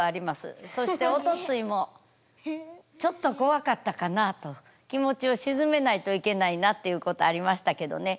そしておとついもちょっと怖かったかなあと気持ちを鎮めないといけないなということありましたけどね。